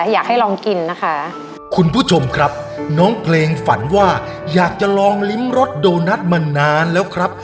อยากให้ลองกินนะคะคุณผู้ชมครับน้องเพลงฝันว่าอยากจะลองลิ้มรสโดนัทมานานแล้วครับ